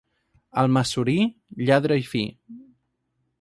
Almassorí, lladre i fi.